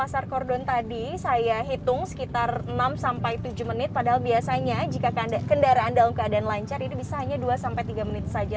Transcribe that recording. pasar kordon tadi saya hitung sekitar enam sampai tujuh menit padahal biasanya jika kendaraan dalam keadaan lancar ini bisa hanya dua sampai tiga menit saja